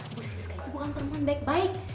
bu siska itu bukan perempuan baik baik